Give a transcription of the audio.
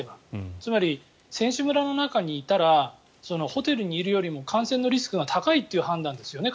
つまり、選手村の中にいたらホテルにいるよりも感染のリスクが高いという判断ですよね。